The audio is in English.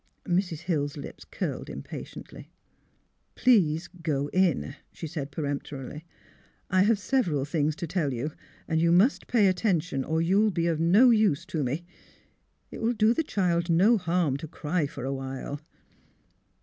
Mrs. Hill's lips curled impatiently. " Please go in," she said, peremptorily. " I have several things to tell you. You must pay attention, or you will be of no use to me. It will do the child no harm to cry for a while."